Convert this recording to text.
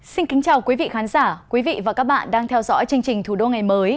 xin kính chào quý vị khán giả quý vị và các bạn đang theo dõi chương trình thủ đô ngày mới